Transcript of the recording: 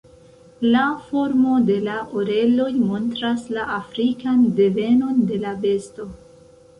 La formo de la oreloj montras la afrikan devenon de la besto.